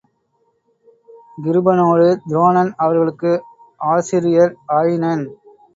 கிருபனோடு துரோணன் அவர்களுக்கு ஆசிரியர் ஆயினன்.